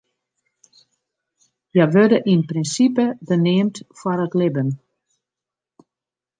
Hja wurde yn prinsipe beneamd foar it libben.